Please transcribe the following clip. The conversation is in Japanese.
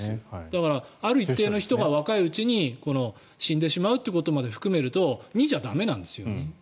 だから、ある一定の人が若いうちに死んでしまうということまで含めると２じゃ駄目なんですよね。